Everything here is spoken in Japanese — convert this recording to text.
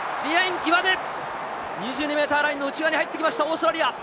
２２ｍラインの内側に入ってきましたオーストラリア。